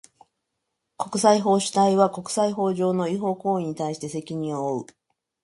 国際法主体は、国際法上の違法行為に対して責任を負う。